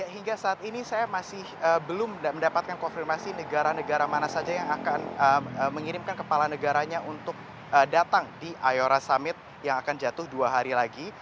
hingga saat ini saya masih belum mendapatkan konfirmasi negara negara mana saja yang akan mengirimkan kepala negaranya untuk datang di ayora summit yang akan jatuh dua hari lagi